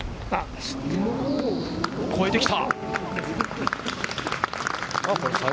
越えてきた。